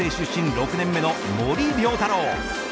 ６年目の森遼太朗。